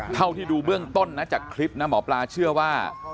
เท่าที่ดูเบื้องต้นนะจากคลิปนะหมอปลาเชื่อว่า